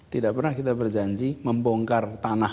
tidak pernah kita berjanji membongkar tanah